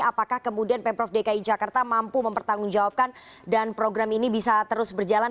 apakah kemudian pemprov dki jakarta mampu mempertanggungjawabkan dan program ini bisa terus berjalan